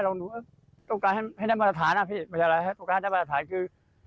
เราต้องการให้ได้มาตรฐานอ่ะพี่ไม่ใช่อะไรต้องการให้ได้มาตรฐานคือ